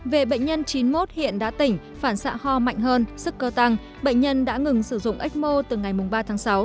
về bệnh nhân chín mươi một hiện đã tỉnh phản xạ ho mạnh hơn sức cơ tăng bệnh nhân đã ngừng sử dụng ecmo từ ngày ba tháng sáu